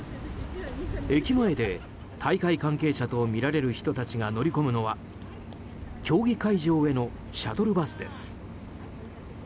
駅前で大会関係者とみられる人たちが乗り込むのは競技会場へのシャトルバスです。